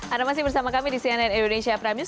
ada masih bersama kami di cnn indonesia prime news